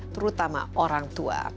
terutama orang tua